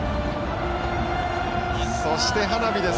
そして花火です。